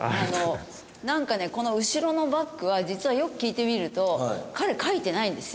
なんかねこの後ろのバックは実はよく聞いてみると彼描いてないんですよ。